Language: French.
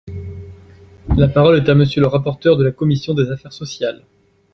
La parole est à Monsieur le rapporteur de la commission des affaires sociales.